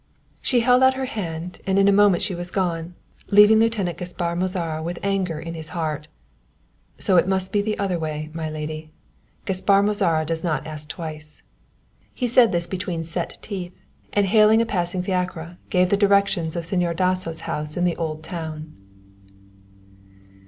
She held out her hand, and in a moment she was gone, leaving Lieutenant Gaspar Mozara with anger in his heart. "So it must be the other way, my lady; Gaspar Mozara does not ask twice." He said this between set teeth, and hailing a passing fiacre, gave the direction of Señor Dasso's house in the old town.